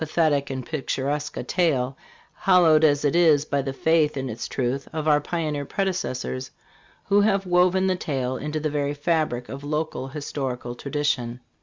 thetic and picturesque a tale, hallowed as it is by the faith in its truth of our pioneer predecessors, who have woven the tale into the very fabric of local historical tradition.